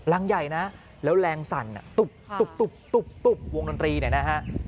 รังใหญ่นะแล้วแรงสั่นตุ๊บวงดนตรีเนี่ยนะฮะ